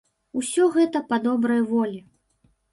Усё гэта па добрай волі.